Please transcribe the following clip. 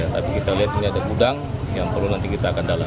tapi kita lihat ini ada gudang yang perlu nanti kita akan dalam